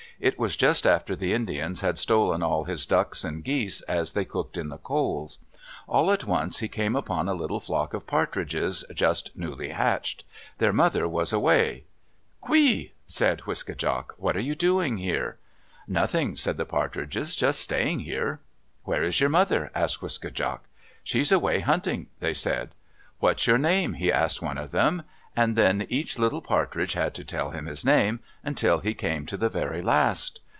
It was just after the Indians had stolen all his ducks and geese as they cooked in the coals. All at once he came upon a little flock of partridges, just newly hatched. Their mother was away. "Kwe!" said Wiske djak. "What are you doing here?" "Nothing," said the partridges. "Just staying here." "Where is your mother?" asked Wiske djak. "She's away hunting," they said. "What's your name?" he asked one of them. And then each little partridge had to tell him his name until he came to the very last.